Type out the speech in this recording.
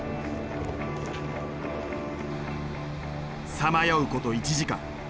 さまようこと１時間。